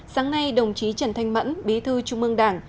sáng nay đồng chí trần thanh mẫn bí thư trung ương đảng